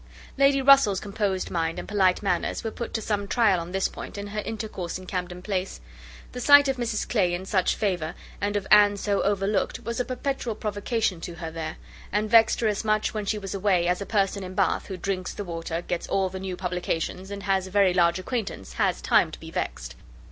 Lady Russell's composed mind and polite manners were put to some trial on this point, in her intercourse in Camden Place. The sight of Mrs Clay in such favour, and of Anne so overlooked, was a perpetual provocation to her there; and vexed her as much when she was away, as a person in Bath who drinks the water, gets all the new publications, and has a very large acquaintance, has time to be vexed.